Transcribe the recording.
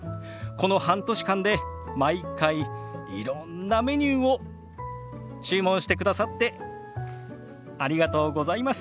この半年間で毎回いろんなメニューを注文してくださってありがとうございます。